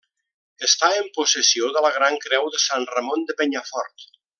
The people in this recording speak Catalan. Està en possessió de la Gran Creu de Sant Ramon de Penyafort.